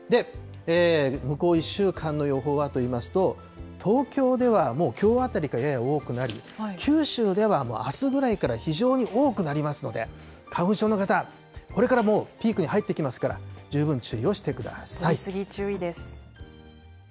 で、向こう１週間の予報はといいますと、東京ではもうきょうあたりからやや多くなり、九州ではあすぐらいから非常に多くなりますので、花粉症の方、これからもう、ピークに入ってきますから、十分注意をしてください。